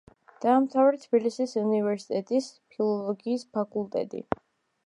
დაამთავრა თბილისის უნივერსიტეტის ფილოლოგიის ფაკულტეტი.